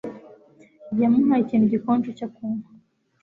yamuhaye ikintu gikonje cyo kunywa